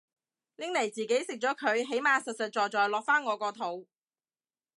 拎嚟自己食咗佢起碼實實在在落返我個肚